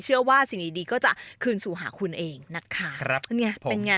เชื่อว่าสิ่งดีก็จะคืนสู่หาคุณเองจะเป็นไง